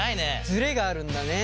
ズレがあるんだね。